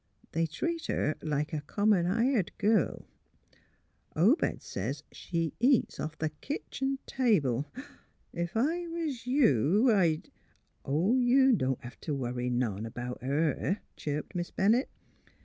" They treat her like a common hired girl; Obed says, she eats off the kitchen table. Ef I was you, I 'd ''^' You don't hev t' worry none about her,'* chirped Miss Bennett.